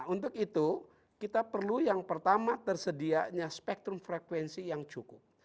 untuk itu kita perlu yang pertama tersedianya spektrum frekuensi yang cukup